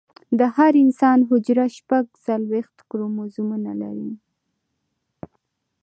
د انسان هره حجره شپږ څلوېښت کروموزومونه لري